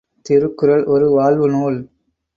திருக்குறள் ஒரு வாழ்வு நூல்.